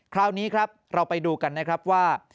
คราวนี้ครับเราไปดูกันนะครับว่า